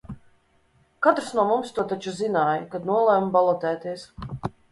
Katrs no mums to taču zināja, kad nolēma balotēties.